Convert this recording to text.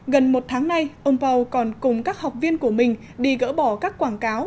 gần một tháng nay ông pow còn cùng các học viên của mình đi gỡ bỏ các quảng cáo